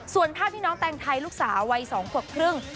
ส่วนภาพที่น้องแตงไทยลูกสาววัย๒ขวบครึ่ง